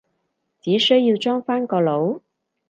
只需要裝返個腦？